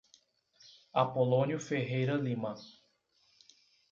Apolonio Ferreira Lima